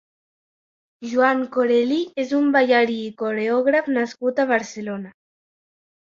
Juan Coreli és un ballarí i coreògraf nascut a Barcelona.